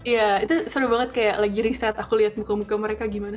ya itu seru banget kayak lagi riset aku lihat muka muka mereka gimana